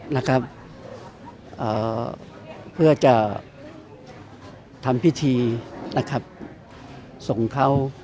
และก็ประการต่อมาจนกระทั่งเราได้นำพี่ปอร์กลับมาสู่บุรีรำ